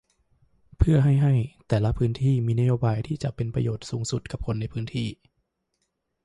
เพื่อให้ให้แต่ละพื้นที่มีนโยบายที่จะเป็นประโยชน์สูงสุดกับคนในพื้นที่